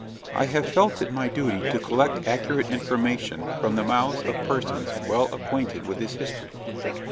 I have felt it my duty to collect accurate information from the mouths of persons well acquainted with his history.